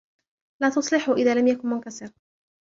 لا تُصلحهُ إذا لم يكن منكسراً.